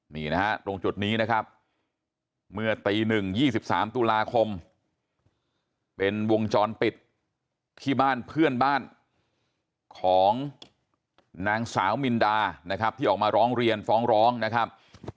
นี่นะฮะตรงจุดนี้นะครับเมื่อตี๑๒๓ตุลาคมเป็นวงจรปิดที่บ้านเพื่อนบ้านของนางสาวมินดานะครับที่ออกมาร้องเรียนฟ้องร้องนะครับ